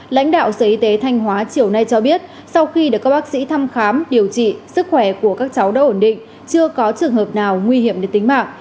lãnh đạo sở y tế thanh hóa chiều nay cho biết sau khi được các bác sĩ thăm khám điều trị sức khỏe của các cháu đã ổn định chưa có trường hợp nào nguy hiểm đến tính mạng